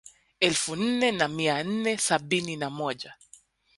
Elfu nne na mia nne sabini na moja